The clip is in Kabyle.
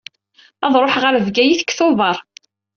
Ad ruḥeɣ ɣer Bgayet deg Tuber.